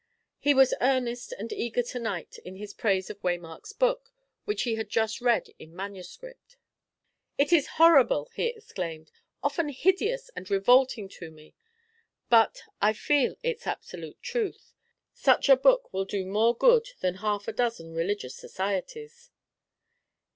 He was earnest and eager to night in his praise of Waymark's book, which he had just read in manuscript. "It is horrible," he exclaimed; "often hideous and revolting to me; but I feel its absolute truth. Such a book will do more good than half a dozen religious societies."